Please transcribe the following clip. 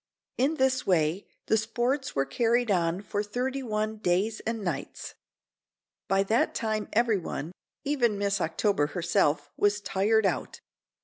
In this way the sports were carried on for thirty one days and nights. By that time everyone, even Miss October herself, was tired out.